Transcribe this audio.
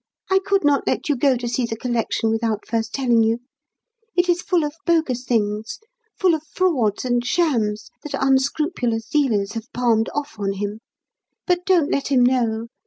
I could not let you go to see the collection without first telling you. It is full of bogus things, full of frauds and shams that unscrupulous dealers have palmed off on him. But don't let him know.